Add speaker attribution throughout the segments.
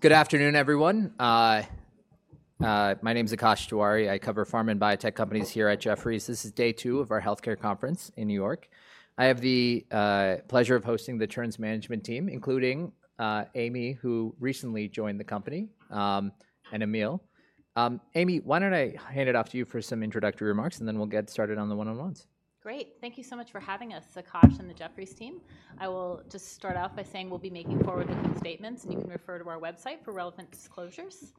Speaker 1: Good afternoon, everyone. My name is Akash Tewari. I cover pharma and biotech companies here at Jefferies. This is day two of our healthcare conference in New York. I have the pleasure of hosting the Terns management team, including Amy, who recently joined the company, and Emil. Amy, why don't I hand it off to you for some introductory remarks, and then we'll get started on the one-on-ones?
Speaker 2: Great. Thank you so much for having us, Akash and the Jefferies team. I will just start off by saying we'll be making forward-looking statements, and you can refer to our website for relevant disclosures.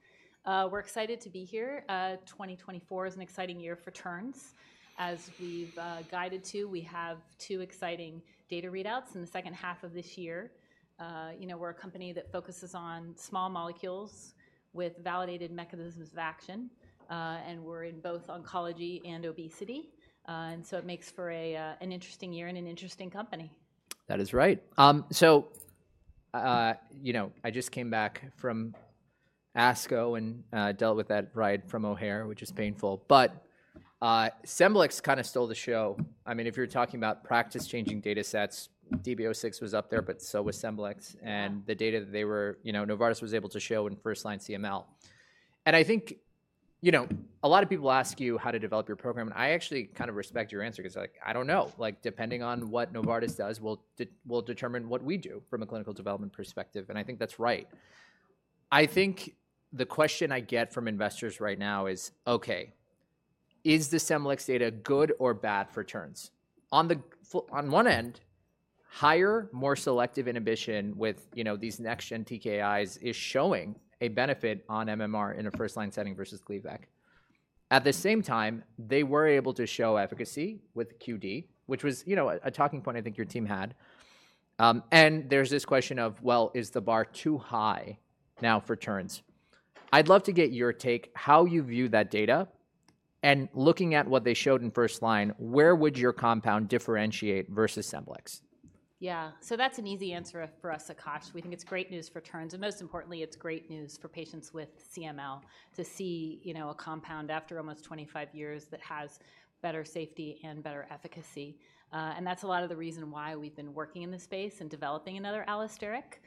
Speaker 2: We're excited to be here. 2024 is an exciting year for Terns. As we've guided too, we have two exciting data readouts in the second half of this year. You know, we're a company that focuses on small molecules with validated mechanisms of action, and we're in both oncology and obesity. And so it makes for an interesting year and an interesting company.
Speaker 1: That is right. So, you know, I just came back from ASCO and dealt with that ride from O'Hare, which is painful, but Scemblix kind of stole the show. I mean, if you're talking about practice-changing datasets, DB-06 was up there, but so was Scemblix, and the data that they were you know, Novartis was able to show in first-line CML. And I think, you know, a lot of people ask you how to develop your program, and I actually kind of respect your answer 'cause like, I don't know. Like, depending on what Novartis does, will determine what we do from a clinical development perspective, and I think that's right. I think the question I get from investors right now is: Okay, is the Scemblix data good or bad for Terns? On one end, higher, more selective inhibition with, you know, these next-gen TKIs is showing a benefit on MMR in a first-line setting versus Gleevec. At the same time, they were able to show efficacy with QD, which was, you know, a talking point I think your team had. And there's this question of, well, is the bar too high now for Terns? I'd love to get your take, how you view that data, and looking at what they showed in first line, where would your compound differentiate versus Scemblix?
Speaker 2: Yeah. So that's an easy answer for us, Akash. We think it's great news for Terns, and most importantly, it's great news for patients with CML to see, you know, a compound after almost 25 years that has better safety and better efficacy. And that's a lot of the reason why we've been working in this space and developing another allosteric,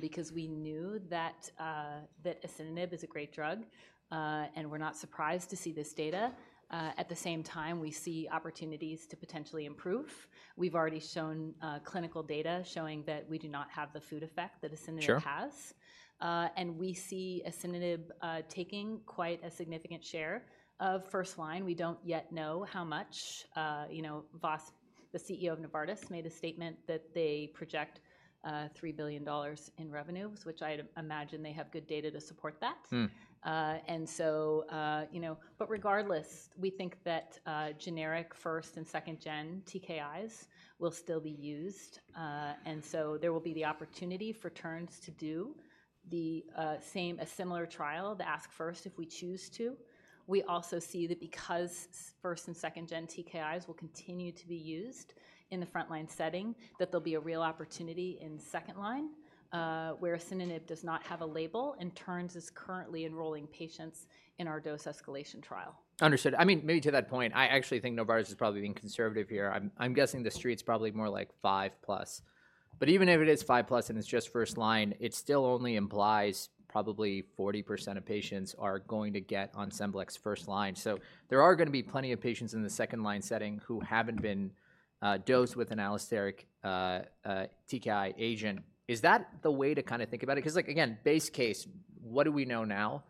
Speaker 2: because we knew that that asciminib is a great drug, and we're not surprised to see this data. At the same time, we see opportunities to potentially improve. We've already shown clinical data showing that we do not have the food effect that asciminib has. And we see asciminib taking quite a significant share of first line. We don't yet know how much. You know, Vas, the CEO of Novartis, made a statement that they project $3 billion in revenues, which I'd imagine they have good data to support that. And so, you know, but regardless, we think that generic first and second gen TKIs will still be used, and so there will be the opportunity for Terns to do the same, a similar trial, the ASC4FIRST, if we choose to. We also see that because first and second gen TKIs will continue to be used in the front line setting, that there'll be a real opportunity in second line, where asciminib does not have a label, and Terns is currently enrolling patients in our dose escalation trial.
Speaker 1: Understood. I mean, maybe to that point, I actually think Novartis is probably being conservative here. I'm guessing the street's probably more like 5+. But even if it is 5+ and it's just first line, it still only implies probably 40% of patients are going to get on Scemblix first line. So there are gonna be plenty of patients in the second line setting who haven't been dosed with an allosteric TKI agent. Is that the way to kinda think about it? 'Cause like, again, base case, what do we know now?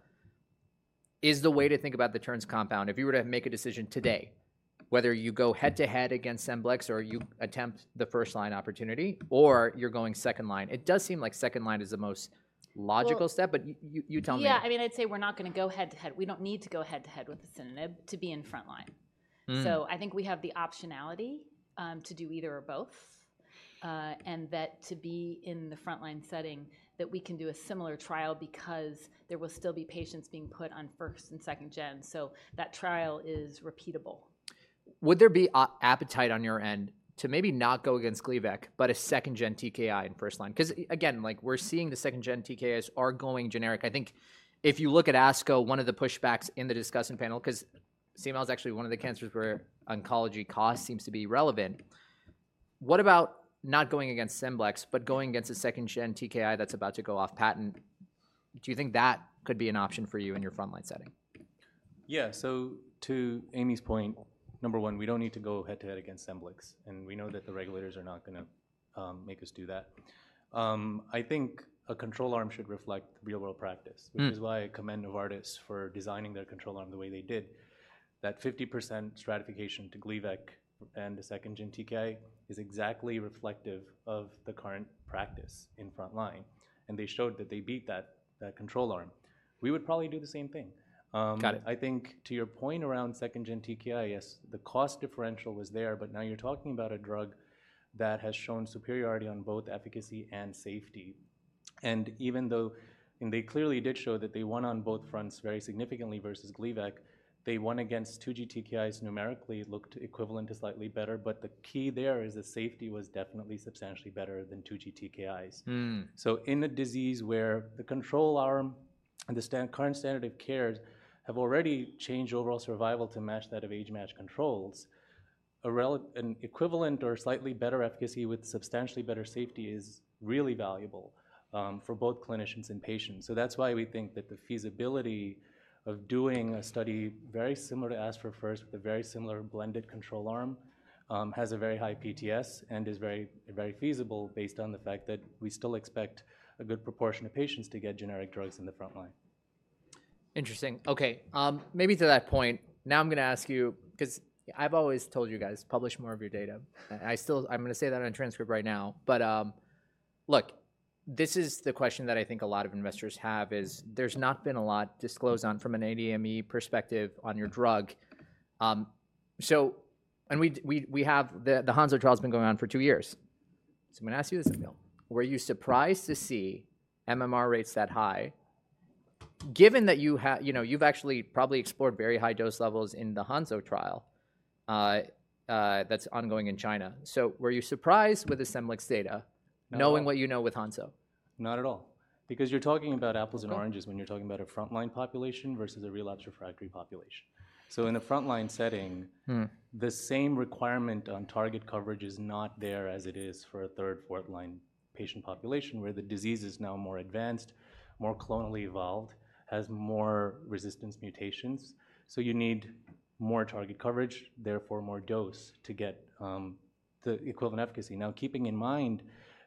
Speaker 1: Is the way to think about the Terns compound, if you were to make a decision today, whether you go head-to-head against Scemblix, or you attempt the first line opportunity, or you're going second line. It does seem like second line is the most logical step, but you tell me.
Speaker 2: Yeah, I mean, I'd say we're not gonna go head-to-head with asciminib to be in front line. So I think we have the optionality to do either or both, and that to be in the front-line setting, that we can do a similar trial because there will still be patients being put on first and second gen. So that trial is repeatable.
Speaker 1: Would there be an appetite on your end to maybe not go against Gleevec, but a second-gen TKI in first line? 'Cause again, like we're seeing the second-gen TKIs are going generic. I think if you look at ASCO, one of the pushbacks in the discussion panel, 'cause CML is actually one of the cancers where oncology cost seems to be relevant. What about not going against Scemblix, but going against a second-gen TKI that's about to go off patent? Do you think that could be an option for you in your front-line setting?
Speaker 3: Yeah. So to Amy's point, number one, we don't need to go head-to-head against Scemblix, and we know that the regulators are not gonna make us do that. I think a control arm should reflect real-world practice. which is why I commend Novartis for designing their control arm the way they did. That 50% stratification to Gleevec and the second-gen TKI is exactly reflective of the current practice in front line, and they showed that they beat that, that control arm. We would probably do the same thing.
Speaker 1: Got it.
Speaker 3: I think to your point around second-gen TKI, yes, the cost differential was there, but now you're talking about a drug that has shown superiority on both efficacy and safety. And even though, and they clearly did show that they won on both fronts very significantly versus Gleevec, they won against 2G TKIs numerically looked equivalent to slightly better, but the key there is the safety was definitely substantially better than 2G TKIs. So in a disease where the control arm and the current standard of care have already changed overall survival to match that of age-matched controls, an equivalent or slightly better efficacy with substantially better safety is really valuable for both clinicians and patients. So that's why we think that the feasibility of doing a study very similar to ASC4FIRST, with a very similar blended control arm, has a very high PTS and is very, very feasible based on the fact that we still expect a good proportion of patients to get generic drugs in the front line.
Speaker 1: Interesting. Okay, maybe to that point, now I'm gonna ask you, 'cause I've always told you guys, "Publish more of your data." I still. I'm gonna say that on a transcript right now, but, look, this is the question that I think a lot of investors have is there's not been a lot disclosed on from an ADME perspective on your drug. So we have the Hansoh trial has been going on for two years. So I'm gonna ask you this, Nikhil. Were you surprised to see MMR rates that high, given that you know, you've actually probably explored very high dose levels in the Hansoh trial, that's ongoing in China? So were you surprised with asciminib data-
Speaker 3: Not at all.
Speaker 1: Knowing what you know with Hansoh?
Speaker 3: Not at all, because you're talking about apples and oranges when you're talking about a frontline population versus a relapsed refractory population. So in a frontline setting the same requirement on target coverage is not there as it is for a third, fourth line patient population, where the disease is now more advanced, more clonally evolved, has more resistance mutations. So you need more target coverage, therefore, more dose to get the equivalent efficacy. Now, keeping in mind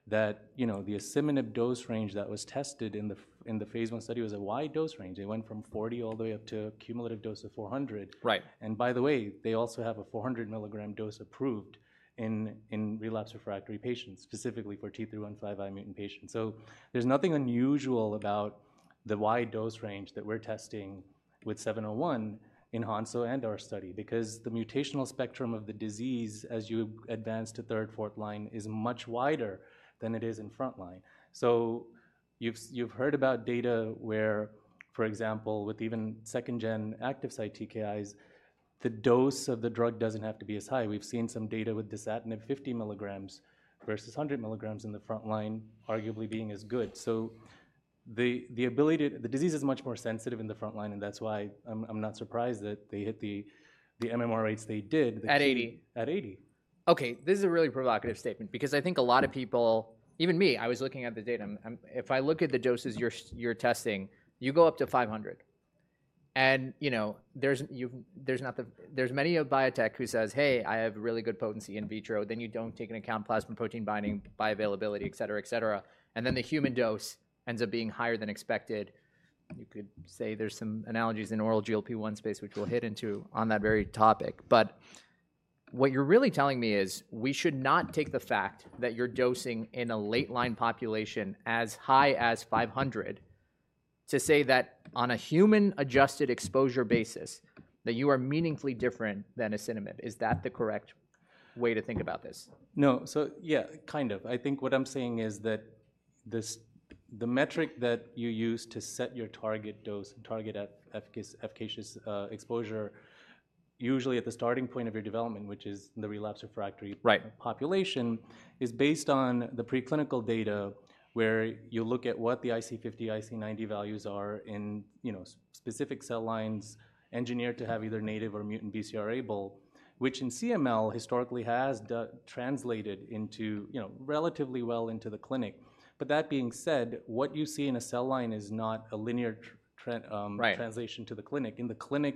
Speaker 3: that, you know, the asciminib dose range that was tested in the phase I, study was a wide dose range. It went from 40 all the way up to a cumulative dose of 400.
Speaker 1: Right.
Speaker 3: And by the way, they also have a 400 milligram dose approved in, in relapsed refractory patients, specifically for T315 mutant patients. So there's nothing unusual about the wide dose range that we're testing with 701 in Hansoh and our study, because the mutational spectrum of the disease, as you advance to third, fourth line, is much wider than it is in front line. So you've, you've heard about data where, for example, with even second gen active site TKIs, the dose of the drug doesn't have to be as high. We've seen some data with dasatinib 50 milligrams versus 100 milligrams in the front line, arguably being as good. So the, the ability... The disease is much more sensitive in the front line, and that's why I'm, I'm not surprised that they hit the, the MMR rates they did-
Speaker 1: At 80?
Speaker 3: At 80.
Speaker 1: Okay, this is a really provocative statement because I think a lot of people, even me, I was looking at the data. I'm if I look at the doses you're testing, you go up to 500, and, you know, there's not the. There's many a biotech who says, "Hey, I have really good potency in vitro." Then you don't take into account plasma protein binding, bioavailability, et cetera, et cetera, and then the human dose ends up being higher than expected. You could say there's some analogies in oral GLP-1 space, which we'll hit into on that very topic. But what you're really telling me is, we should not take the fact that you're dosing in a late line population as high as 500 to say that on a human adjusted exposure basis, that you are meaningfully different than asciminib. Is that the correct way to think about this?
Speaker 3: No. So, yeah, kind of. I think what I'm saying is that this, the metric that you use to set your target dose, target efficacious exposure, usually at the starting point of your development, which is the relapsed refractory population, is based on the preclinical data, where you look at what the IC50, IC90 values are in, you know, specific cell lines engineered to have either native or mutant BCR-ABL, which in CML historically has translated into, you know, relatively well into the clinic. But that being said, what you see in a cell line is no.t a linear.
Speaker 1: Right.
Speaker 3: Translation to the clinic. In the clinic,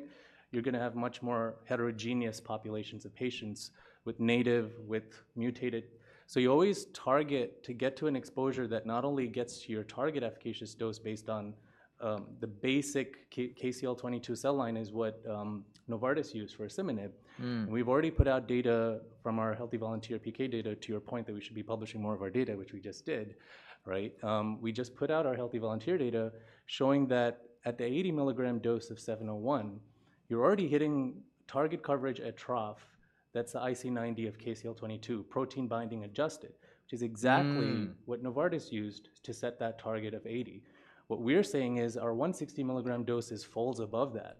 Speaker 3: you're gonna have much more heterogeneous populations of patients with native, with mutated. So you always target to get to an exposure that not only gets to your target efficacious dose based on the basic KCL-22 cell line is what Novartis used for asciminib. We've already put out data from our healthy volunteer PK data, to your point, that we should be publishing more of our data, which we just did, right? We just put out our healthy volunteer data showing that at the 80 milligram dose of 701, you're already hitting target coverage at trough. That's the IC90 of KCL-22, protein binding adjusted. Which is exactly what Novartis used to set that target of 80. What we're saying is our 160 milligram dose is folds above that.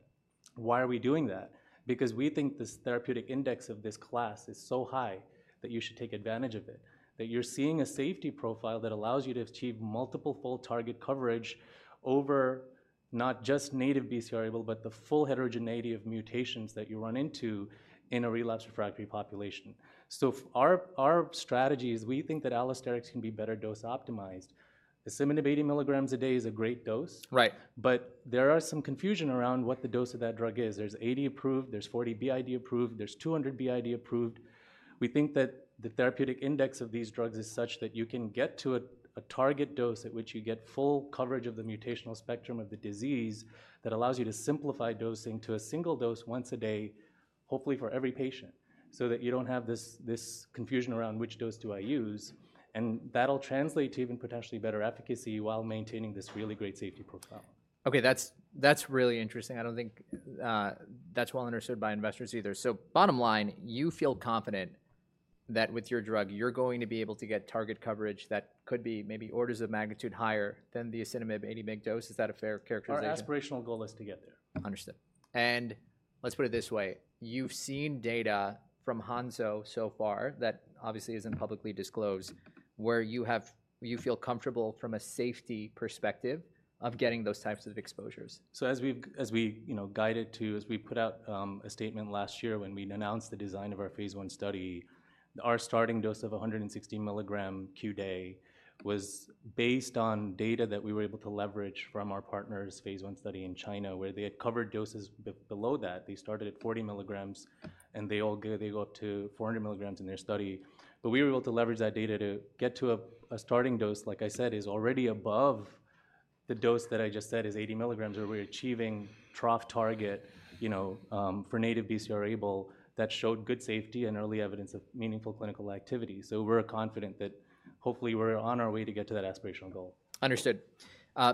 Speaker 3: Why are we doing that? Because we think this therapeutic index of this class is so high that you should take advantage of it, that you're seeing a safety profile that allows you to achieve multiple fold target coverage over not just native BCR-ABL, but the full heterogeneity of mutations that you run into in a relapsed refractory population. So our strategy is we think that allosterics can be better dose optimized. Asciminib 80 milligram a day is a great dose.
Speaker 1: Right.
Speaker 3: But there are some confusion around what the dose of that drug is. There's 80 approved, there's 40 BID approved, there's 200 BID approved. We think that the therapeutic index of these drugs is such that you can get to a target dose at which you get full coverage of the mutational spectrum of the disease, that allows you to simplify dosing to a single dose once a day, hopefully for every patient, so that you don't have this confusion around which dose do I use, and that'll translate to even potentially better efficacy while maintaining this really great safety profile.
Speaker 1: Okay, that's, that's really interesting. I don't think that's well understood by investors either. So bottom line, you feel confident that with your drug, you're going to be able to get target coverage that could be maybe orders of magnitude higher than the asciminib 80 milligram dose. Is that a fair characterization?
Speaker 3: Our aspirational goal is to get there.
Speaker 1: Understood. Let's put it this way, you've seen data from Hansoh so far that obviously isn't publicly disclosed, where you have, you feel comfortable from a safety perspective of getting those types of exposures?
Speaker 3: So as we've, as we, you know, guided to, as we put out, a statement last year when we announced the design of our phase I, study our starting dose of 160 milligram QD was based on data that we were able to leverage from our partners' phase I, study in China, where they had covered doses below that. They started at 40 milligram, and they go up to 400 milligram in their study. But we were able to leverage that data to get to a starting dose, like I said, is already above the dose that I just said is 80 milligram, where we're achieving trough target, you know, for native BCR-ABL, that showed good safety and early evidence of meaningful clinical activity. So we're confident that hopefully we're on our way to get to that aspirational goal.
Speaker 1: Understood.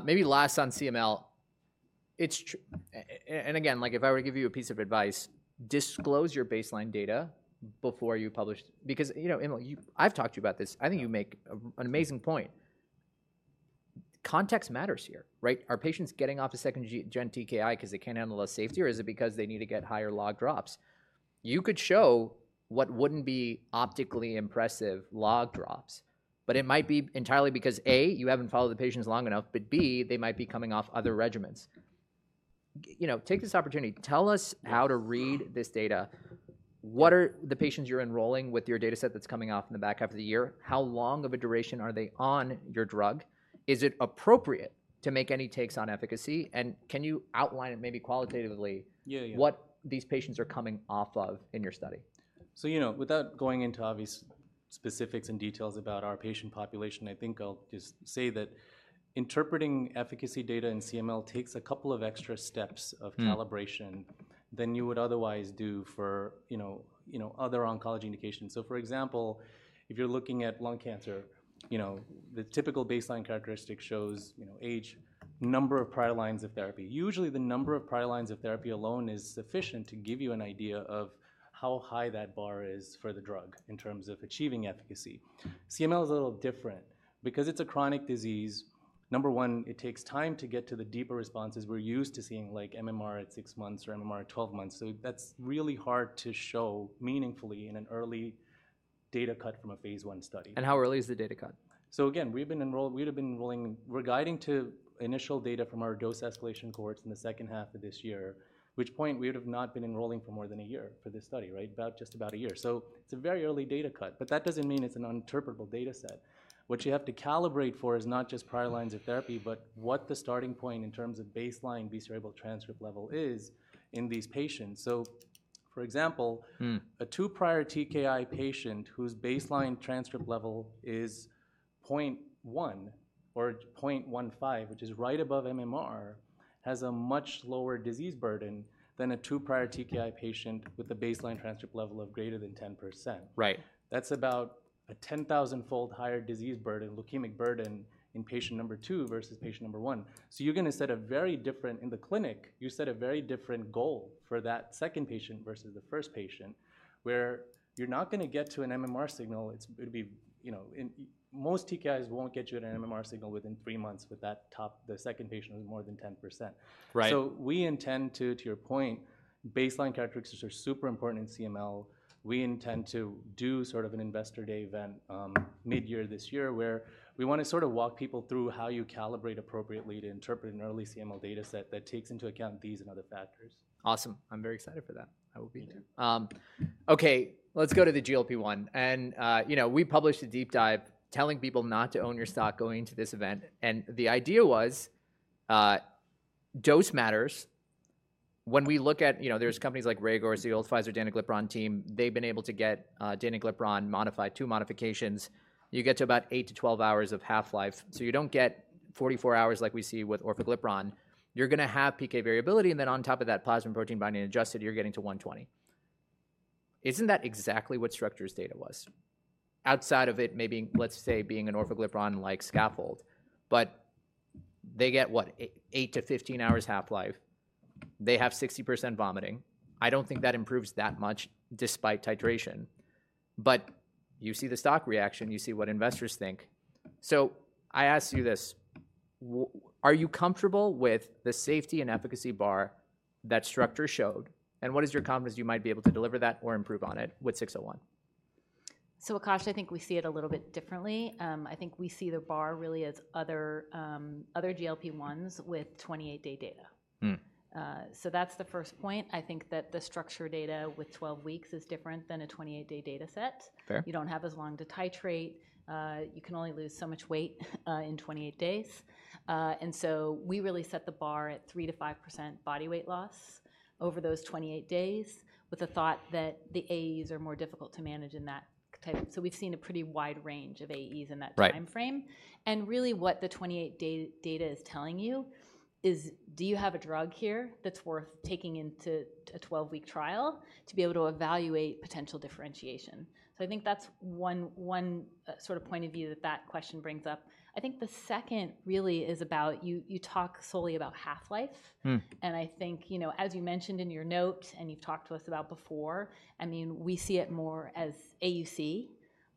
Speaker 1: Maybe last on CML, and again, like, if I were to give you a piece of advice, disclose your baseline data before you publish. Because, you know, Emil, I've talked to you about this. I think you make an amazing point. Context matters here, right? Are patients getting off a second gen TKI 'cause they can't handle the safety, or is it because they need to get higher log drops? You could show what wouldn't be optically impressive log drops, but it might be entirely because, A, you haven't followed the patients long enough, but, B, they might be coming off other regimens. You know, take this opportunity, tell us how to read this data. What are the patients you're enrolling with your data set that's coming off in the back half of the year? How long of a duration are they on your drug? Is it appropriate to make any takes on efficacy? And can you outline it maybe qualitatively-
Speaker 3: Yeah, yeah.
Speaker 1: What these patients are coming off of in your study?
Speaker 3: So, you know, without going into obvious specifics and details about our patient population, I think I'll just say that interpreting efficacy data in CML takes a couple of extra steps of calibration than you would otherwise do for, you know, other oncology indications. So, for example, if you're looking at lung cancer, you know, the typical baseline characteristic shows, you know, age, number of prior lines of therapy. Usually, the number of prior lines of therapy alone is sufficient to give you an idea of how high that bar is for the drug in terms of achieving efficacy. CML is a little different. Because it's a chronic disease, number one, it takes time to get to the deeper responses we're used to seeing, like MMR at six months or MMR at 12 months. So that's really hard to show meaningfully in an early data cut from a phase I, study.
Speaker 1: How early is the data cut?
Speaker 3: So again, we've been enrolled—we'd have been enrolling, we're guiding to initial data from our dose escalation cohorts in the second half of this year, which point we would have not been enrolling for more than a year for this study, right? About just about a year. So it's a very early data cut, but that doesn't mean it's an interpretable data set. What you have to calibrate for is not just prior lines of therapy, but what the starting point in terms of baseline BCR-ABL transcript level is in these patients. So, for example a two prior TKI patient whose baseline transcript level is 0.1 or 0.15, which is right above MMR, has a much lower disease burden than a two prior TKI patient with a baseline transcript level of greater than 10%.
Speaker 1: Right.
Speaker 3: That's about a 10,000-fold higher disease burden, leukemic burden, in patient number two versus patient number one. So you're gonna set a very different. In the clinic, you set a very different goal for that second patient versus the first patient, where you're not gonna get to an MMR signal. It'll be, you know, most TKIs won't get you at an MMR signal within 3 months with that, the second patient with more than 10%.
Speaker 1: Right.
Speaker 3: So we intend to, to your point, baseline characteristics are super important in CML. We intend to do sort of an investor day event, mid-year this year, where we wanna sort of walk people through how you calibrate appropriately to interpret an early CML data set that takes into account these and other factors.
Speaker 1: Awesome. I'm very excited for that. I will be.
Speaker 3: Me too.
Speaker 1: Okay, let's go to the GLP-1. And, you know, we published a deep dive telling people not to own your stock going to this event, and the idea was, dose matters. When we look at, you know, there's companies like Regor or the old Pfizer danuglipron team, they've been able to get, danuglipron modified, two modifications. You get to about 8-12 hours of half-life, so you don't get 44 hours like we see with oraglipron. You're gonna have PK variability, and then on top of that, plasma protein binding adjusted, you're getting to 120. Isn't that exactly what Structure's data was? Outside of it, maybe, let's say, being an oraglipron-like scaffold, but they get what? 8-15 hours half-life. They have 60% vomiting. I don't think that improves that much despite titration. But you see the stock reaction, you see what investors think. So I ask you this: are you comfortable with the safety and efficacy bar that Structure showed, and what is your confidence you might be able to deliver that or improve on it with 601?
Speaker 2: Akash, I think we see it a little bit differently. I think we see the bar really as other, other GLP-1s with 28-day data. That's the first point. I think that the Structure data with 12 weeks is different than a 28-day data set.
Speaker 1: Fair.
Speaker 2: You don't have as long to titrate. You can only lose so much weight in 28 days. And so we really set the bar at 3%-5% body weight loss over those 28 days, with the thought that the AEs are more difficult to manage in that type. So we've seen a pretty wide range of AEs in that.
Speaker 1: Right
Speaker 2: Timeframe and really, what the 28-day data is telling you is, do you have a drug here that's worth taking into a 12-week trial to be able to evaluate potential differentiation? So I think that's one, one sort of point of view that that question brings up. I think the second really is about you, you talk solely about half-life. I think, you know, as you mentioned in your note and you've talked to us about before, I mean, we see it more as AUC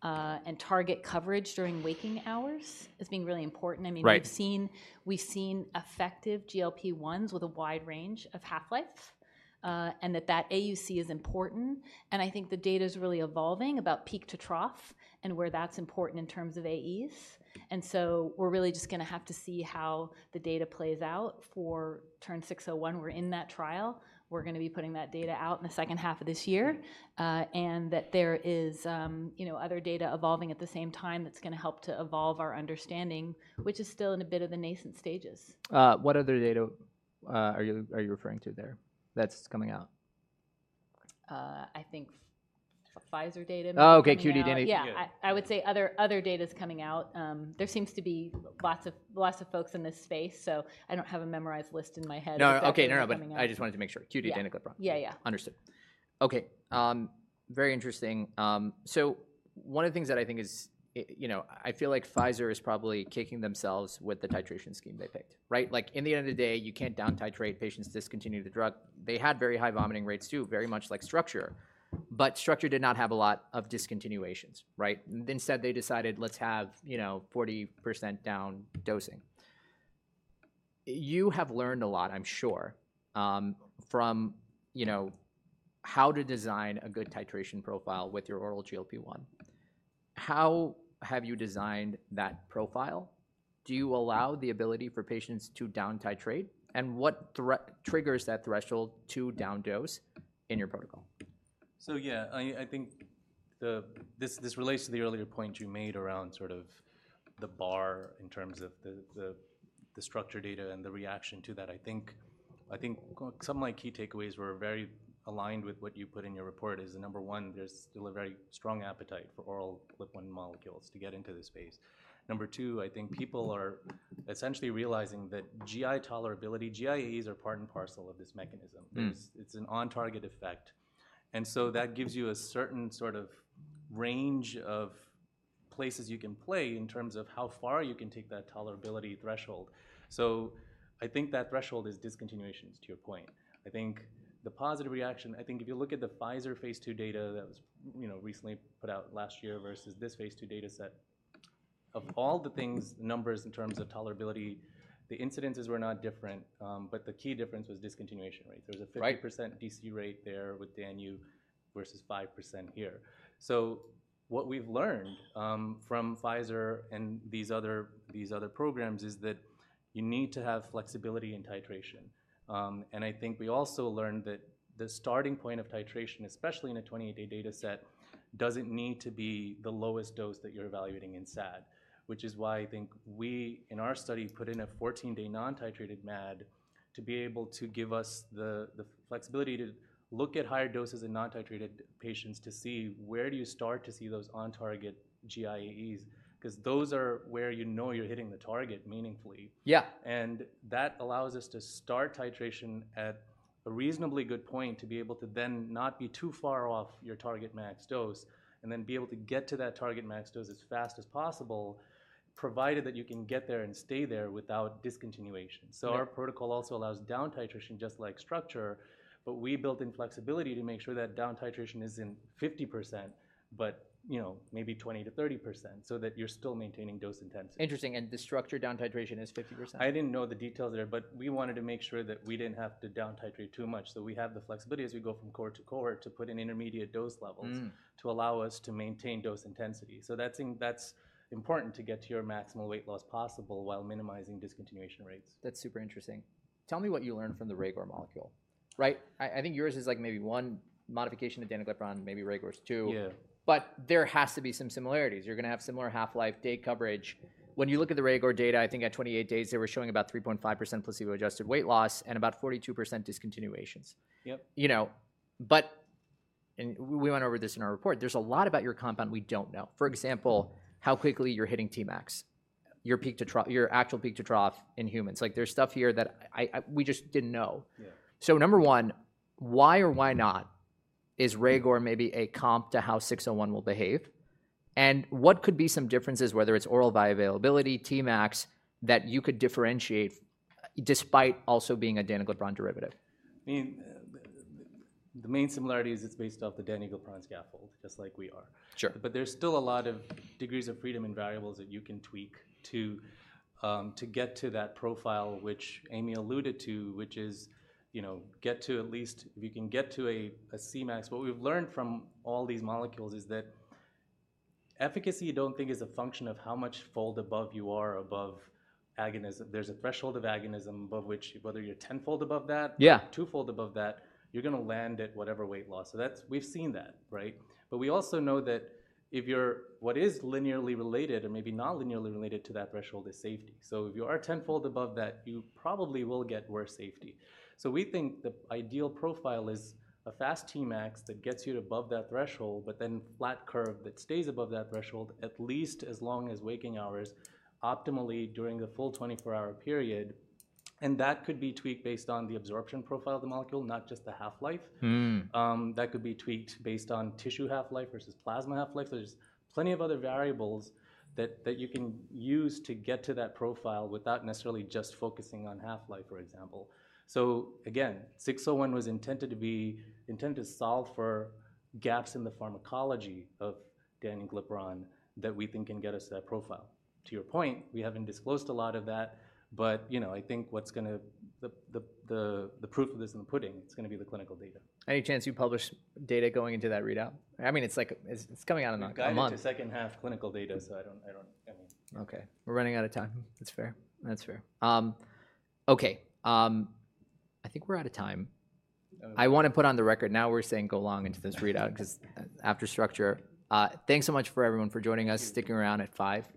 Speaker 2: and target coverage during waking hours as being really important.
Speaker 1: Right.
Speaker 2: I mean, we've seen, we've seen effective GLP-1s with a wide range of half-life, and that AUC is important, and I think the data is really evolving about peak to trough and where that's important in terms of AEs. And so we're really just gonna have to see how the data plays out for TERN-601. We're in that trial. We're gonna be putting that data out in the second half of this year, and that there is, you know, other data evolving at the same time that's gonna help to evolve our understanding, which is still in a bit of the nascent stages.
Speaker 1: What other data are you referring to there that's coming out?
Speaker 2: I think Pfizer data-
Speaker 1: Oh, okay, QD Dan-
Speaker 2: Yeah, I would say other data's coming out. There seems to be lots of folks in this space, so I don't have a memorized list in my head.
Speaker 1: No, okay. No, no, but I just wanted to make sure, QD danuglipron.
Speaker 2: Yeah, yeah.
Speaker 1: Understood. Okay, very interesting. So one of the things that I think is, you know, I feel like Pfizer is probably kicking themselves with the titration scheme they picked, right? Like, in the end of the day, you can't down titrate patients discontinue the drug. They had very high vomiting rates, too, very much like Structure, but Structure did not have a lot of discontinuations, right? Instead, they decided, let's have, you know, 40% down dosing. You have learned a lot, I'm sure, from, you know, how to design a good titration profile with your oral GLP-1. How have you designed that profile? Do you allow the ability for patients to down titrate, and what triggers that threshold to down dose in your protocol?
Speaker 3: So, yeah, I think this relates to the earlier point you made around sort of the bar in terms of the Structure data and the reaction to that. I think some of my key takeaways were very aligned with what you put in your report is, number one, there's still a very strong appetite for oral GLP-1 molecules to get into this space. Number two, I think people are essentially realizing that GI tolerability, GIEs are part and parcel of this mechanism. It's, it's an on-target effect, and so that gives you a certain sort of range of places you can play in terms of how far you can take that tolerability threshold. So I think that threshold is discontinuations, to your point. I think the positive reaction, I think if you look at the Pfizer phase II data that was, you know, recently put out last year versus this phase II data set, of all the things, numbers in terms of tolerability, the incidences were not different, but the key difference was discontinuation rate.
Speaker 1: Right.
Speaker 3: There was a 50% DC rate there with Danu versus 5% here. So what we've learned from Pfizer and these other programs is that you need to have flexibility in titration. And I think we also learned that the starting point of titration, especially in a 28-day data set, doesn't need to be the lowest dose that you're evaluating in SAD. Which is why I think we, in our study, put in a 14-day non-titrated MAD to be able to give us the flexibility to look at higher doses in non-titrated patients to see where do you start to see those on-target GIEs, 'cause those are where you know you're hitting the target meaningfully.
Speaker 1: Yeah.
Speaker 3: That allows us to start titration at a reasonably good point, to be able to then not be too far off your target max dose, and then be able to get to that target max dose as fast as possible, provided that you can get there and stay there without discontinuation. So our protocol also allows down titration, just like Structure, but we built in flexibility to make sure that down titration isn't 50%, but, you know, maybe 20%-30%, so that you're still maintaining dose intensity.
Speaker 1: Interesting, and the Structure down titration is 50%?
Speaker 3: I didn't know the details there, but we wanted to make sure that we didn't have to down titrate too much. So we have the flexibility as we go from cohort to cohort to put in intermediate dose levels to allow us to maintain dose intensity. So that's in, that's important to get to your maximal weight loss possible while minimizing discontinuation rates.
Speaker 1: That's super interesting. Tell me what you learned from the Regor molecule, right? I think yours is, like, maybe one modification to danuglipron, maybe Regor's two.
Speaker 3: Yeah.
Speaker 1: There has to be some similarities. You're gonna have similar half-life, day coverage. When you look at the Regor data, I think at 28 days, they were showing about 3.5% placebo-adjusted weight loss and about 42% discontinuations.
Speaker 3: Yep.
Speaker 1: You know, but we went over this in our report, there's a lot about your compound we don't know. For example, how quickly you're hitting Tmax, your actual peak to trough in humans. Like, there's stuff here that we just didn't know.
Speaker 3: Yeah.
Speaker 1: Number one, why or why not is Regor maybe a comp to how 601 will behave? And what could be some differences, whether it's oral bioavailability, Tmax, that you could differentiate, despite also being a danuglipron derivative?
Speaker 3: I mean, the main similarity is it's based off the danuglipron scaffold, just like we are.
Speaker 1: Sure.
Speaker 3: But there's still a lot of degrees of freedom and variables that you can tweak to, to get to that profile, which Amy alluded to, which is, you know, get to at least. If you can get to a Cmax. What we've learned from all these molecules is that efficacy you don't think is a function of how much fold above you are above agonism. There's a threshold of agonism above which whether you're tenfold above that-
Speaker 1: Yeah
Speaker 3: Twofold above that, you're gonna land at whatever weight loss. So that's. We've seen that, right? But we also know that if you're, what is linearly related or maybe non-linearly related to that threshold is safety. So if you are tenfold above that, you probably will get worse safety. So we think the ideal profile is a fast Tmax that gets you above that threshold, but then flat curve that stays above that threshold at least as long as waking hours, optimally during the full 24-hour period, and that could be tweaked based on the absorption profile of the molecule, not just the half-life. That could be tweaked based on tissue half-life versus plasma half-life. There's plenty of other variables that you can use to get to that profile without necessarily just focusing on half-life, for example. So again, 601 was intended to solve for gaps in the pharmacology of danuglipron that we think can get us that profile. To your point, we haven't disclosed a lot of that, but, you know, I think what's gonna... The proof of this in the pudding, it's gonna be the clinical data.
Speaker 1: Any chance you publish data going into that readout? I mean, it's like, it's coming out in a month.
Speaker 3: Guided to second half clinical data, so I don't, I mean-
Speaker 1: Okay, we're running out of time. That's fair. That's fair. Okay, I think we're out of time.
Speaker 3: Okay.
Speaker 1: I wanna put on the record, now we're saying go long into this readout 'cause after Structure... Thanks so much for everyone for joining us, sticking around at five.